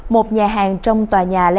một nhà hàng trong đất nước